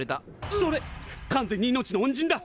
それ完全に命の恩人だ！